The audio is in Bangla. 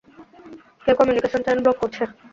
কেউ কমিউনিকেশন চ্যানেল ব্লক করছে।